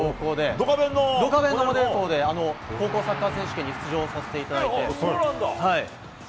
「ドカベン」の高校で高校サッカー選手権に出場させていただいて。